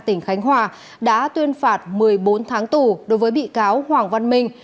tỉnh khánh hòa đã tuyên phạt một mươi bốn tháng tù đối với bị cáo hoàng văn minh